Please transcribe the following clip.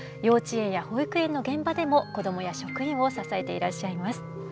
幼稚園や保育園の現場でも子どもや職員を支えていらっしゃいます。